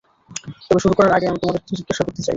তবে শুরু করার আগে আমি তোমাদের কিছু জিজ্ঞাসা করতে চাই।